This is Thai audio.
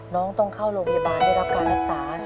ต้องเข้าโรงพยาบาลได้รับการรักษา